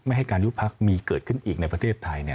ให้การยุบพักมีเกิดขึ้นอีกในประเทศไทย